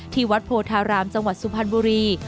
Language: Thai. ที่วัดโพธารามจังหวัดสุพรรณบุรี